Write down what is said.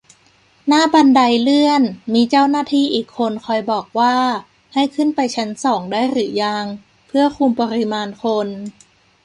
หน้าบันไดเลื่อนมีเจ้าหน้าที่อีกคนคอยบอกว่าให้ขึ้นไปชั้นสองได้หรือยัง เพื่อคุมปริมาณคน